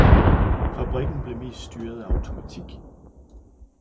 Fabrikken blev mest styret af automatik.